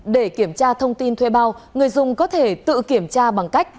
để kiểm tra thông tin thuê bao người dùng có thể tự kiểm tra bằng cách